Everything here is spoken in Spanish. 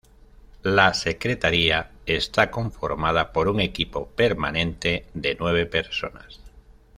La secretaría está conformada por un equipo permanente de nueve personas.